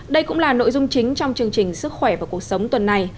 đây cũng là nội dung chính trong chương trình sức khỏe và cuộc sống tuần này